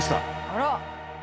あら！